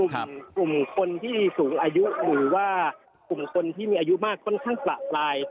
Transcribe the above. กลุ่มคนที่สูงอายุหรือว่ากลุ่มคนที่มีอายุมากค่อนข้างประปราย